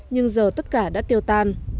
nhưng giờ tất cả đã tiêu tan